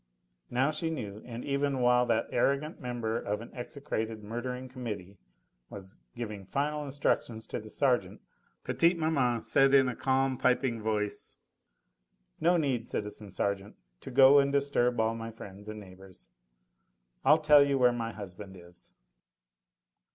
Now she knew, and even while that arrogant member of an execrated murdering Committee was giving final instructions to the sergeant, petite maman said, in a calm, piping voice: "No need, citizen sergeant, to go and disturb all my friends and neighbours. I'll tell you where my husband is."